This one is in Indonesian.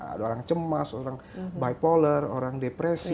ada orang cemas orang bipolar orang depresi